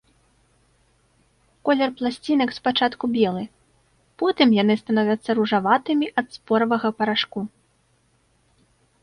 Колер пласцінак спачатку белы, потым яны становяцца ружаватымі ад споравага парашку.